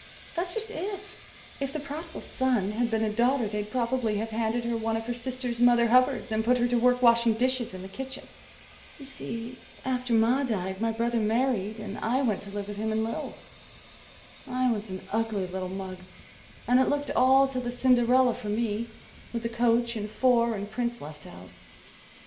That's just it. If the Prodigal Son had been a daughter they'd probably have handed her one of her sister's mother hubbards, and put her to work washing dishes in the kitchen. You see, after Ma died my brother married, and I went to live with him and Lil. I was an ugly little mug, and it looked all to the Cinderella for me, with the coach, and four, and prince left out.